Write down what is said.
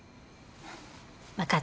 分かった。